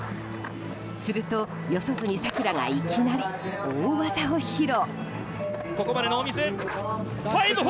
すると、四十住さくらがいきなり大技を披露。